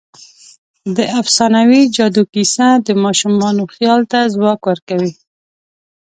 د افسانوي جادو کیسه د ماشومانو خیال ته ځواک ورکوي.